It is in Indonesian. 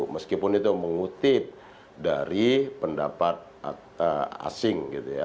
meskipun itu mengutip dari pendapat asing gitu ya